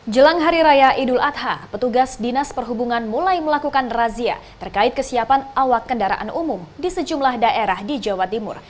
jelang hari raya idul adha petugas dinas perhubungan mulai melakukan razia terkait kesiapan awak kendaraan umum di sejumlah daerah di jawa timur